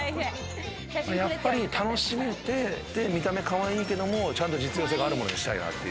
やっぱり楽しめて、見た目かわいいけど、実用性があるものにしたいなって。